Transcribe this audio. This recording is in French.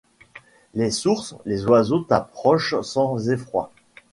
Les sources, les oiseaux t'approchent sans effroi